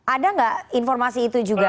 ada nggak informasi itu juga